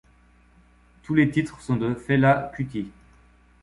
Tous les titres sont de Fela Kuti.